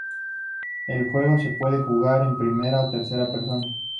El juego se puede jugar en primera o tercera persona.